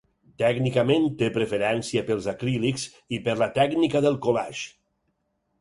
Tècnicament té preferència pels acrílics i per la tècnica del collage.